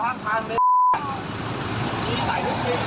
แบบบ้านดูได้ไอ